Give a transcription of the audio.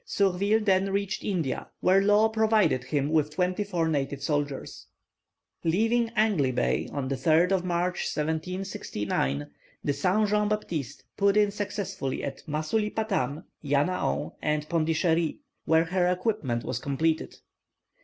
Surville then reached India, where Law provided him with twenty four native soldiers. Leaving Angley Bay on the 3rd of March, 1769, the Saint Jean Baptiste put in successively at Masulipatam, Yanaon, and Pondicherry, where her equipment was completed.